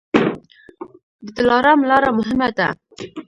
د دلارام لاره مهمه ده